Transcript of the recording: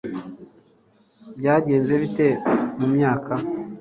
byagenze bite mu myaka